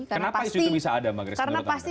kenapa isu itu bisa ada mbak grace menurut anda